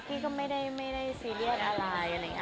กี้ก็ไม่ได้ซีเรียสอะไร